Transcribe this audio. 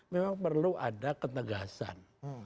memang perlu ada ketegasan